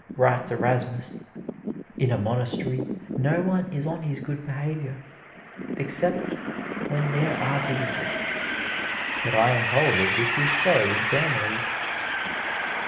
Writes Erasmus, "In a monastery, no one is on his good behavior, except when there are visitors, but I am told that this is so in families."